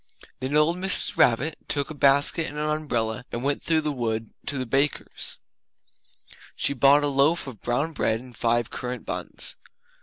Then old Mrs. Rabbit took a basket and her umbrella and went through the wood to the baker's. She bought a loaf of brown bread and five currant buns.